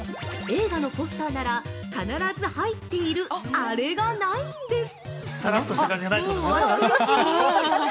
映画のポスターなら、必ず入っているアレがないんです！